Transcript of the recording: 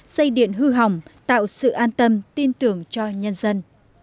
xây điện hư hỏng tạo sự an tâm tin tưởng cho nhân dân